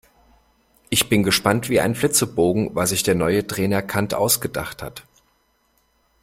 Ich bin gespannt wie ein Flitzebogen, was sich der neue Trainer Kant ausgedacht hat.